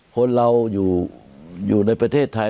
คนเราอยู่ในประเทศไทย